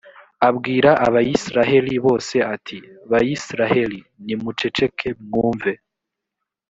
abwira abayisraheli bose, ati «bayisraheli, nimuceceke mwumve!